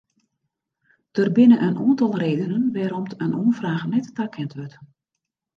Der binne in oantal redenen wêrom't in oanfraach net takend wurdt.